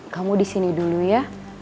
kamu di sini dulu ya